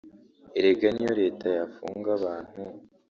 Erega niyo Leta yafunga abantu